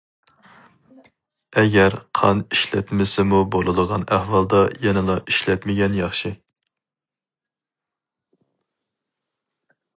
ئەگەر قان ئىشلەتمىسىمۇ بولىدىغان ئەھۋالدا، يەنىلا ئىشلەتمىگەن ياخشى.